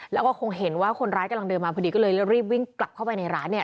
แล้วก็คงเห็นว่าคนร้ายกำลังเดินมาพอดีก็เลยรีบวิ่งกลับเข้าไปในร้านเนี่ย